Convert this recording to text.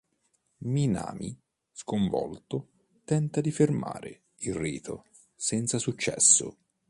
Minami, sconvolto, tenta di fermare il "rito", senza successo.